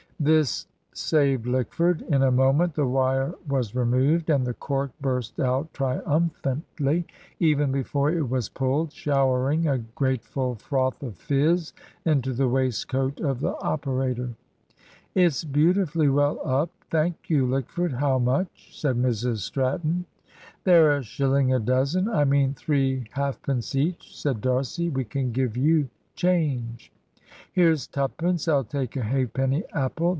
This saved Lickford. In a moment the wire was removed, and the cork burst out triumphantly, even before it was pulled, showering a grateful froth of fizz into the waistcoat of the operator. "It's beautifully well up. Thank you, Lickford, how much?" said Mrs Stratton. "They're a shilling a dozen. I mean three halfpence each," said D'Arcy. "We can give you change." "Here's twopence. I'll take a halfpenny apple.